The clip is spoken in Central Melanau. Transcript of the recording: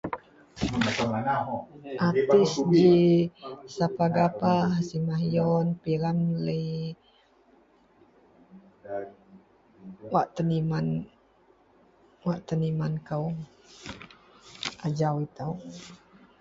artis ji safar ghafar, hasimah yun p.ramli.. wak teniman wak teniman kou ajau itou